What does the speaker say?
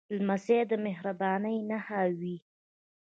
لمسی د مهربانۍ نښه وي.